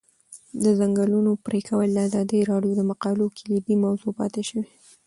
د ځنګلونو پرېکول د ازادي راډیو د مقالو کلیدي موضوع پاتې شوی.